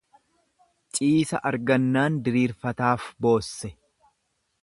Ciisa argannaan diriirfataaf boosse.